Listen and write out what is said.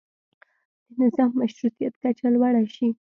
د نظام مشروطیت کچه لوړه شي.